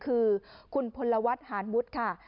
คือคุณพลวัฒน์หารวุฒิค่ะ